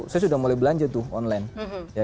saya sudah mulai belanja tuh online